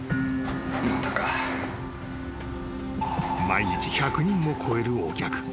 ［毎日１００人を超えるお客］